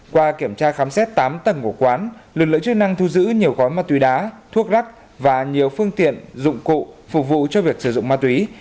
qua kiểm tra khám xét tám tầng của quán lực lượng chức năng thu giữ nhiều gói ma túy đá thuốc rắc và nhiều phương tiện dụng cụ phục vụ cho việc sử dụng ma túy